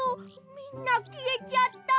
みんなきえちゃった。